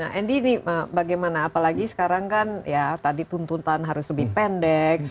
nah andy ini bagaimana apalagi sekarang kan ya tadi tuntutan harus lebih pendek